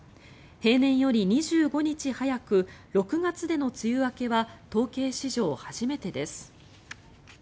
平年より２５日早く６月での梅雨明けは統計史上初めてです。